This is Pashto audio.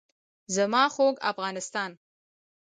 زما خوږ افغانستان.